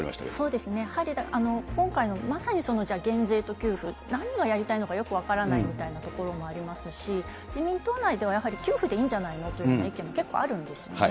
そうですね、やはり今回のまさにそのじゃあ減税と給付、何がやりたいのかよく分からないみたいなところもありますし、自民党内ではやはり給付でいいんじゃないのっていうような意見も結構あるんですね。